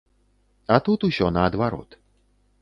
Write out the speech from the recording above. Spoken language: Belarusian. А тут усё наадварот.